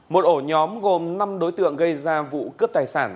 một ổ nhóm gồm năm đối tượng gây ra vụ cướp tài sản